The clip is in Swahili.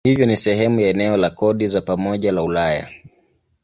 Hivyo si sehemu ya eneo la kodi za pamoja la Ulaya.